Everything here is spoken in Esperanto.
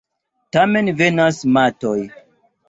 Tamen vanas matoj.